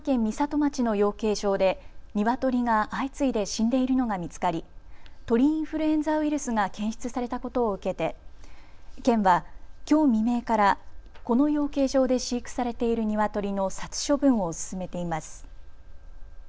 町の養鶏場でニワトリが相次いで死んでいるのが見つかり鳥インフルエンザウイルスが検出されたことを受けて県はきょう未明からこの養鶏場で飼育されているニワトリの殺処分を進めています。